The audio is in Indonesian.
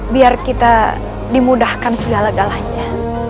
biar kita dimudahkan segala galanya